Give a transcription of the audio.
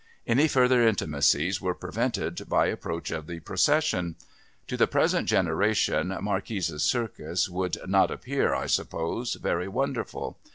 Any further intimacies were prevented by approach of the procession. To the present generation Marquis' Circus would not appear, I suppose, very wonderful.